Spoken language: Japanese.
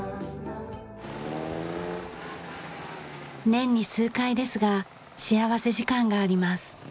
年に数回ですが幸福時間があります。